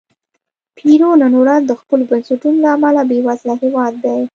پیرو نن ورځ د خپلو بنسټونو له امله بېوزله هېواد دی.